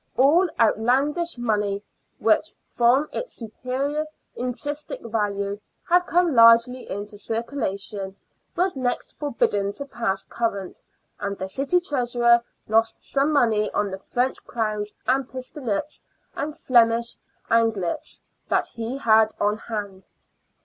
All " outlandish money," which from its superior intrinsic value had come largely into circulation, was next forbidden to pass current, and the city treasurer lost some money on the French crowns and pistolets and Flemish angelettes ERECTION OF TURNSTILES. 39 that he had on hand.